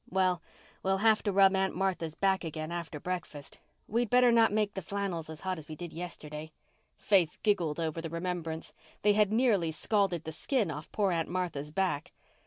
"Well, we'll have to rub Aunt Martha's back again after breakfast. We'd better not make the flannels as hot as we did yesterday." Faith giggled over the remembrance. They had nearly scalded the skin off poor Aunt Martha's back.